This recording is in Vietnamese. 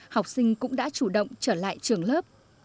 học sinh cũng đã chủ động trở lại trường lớp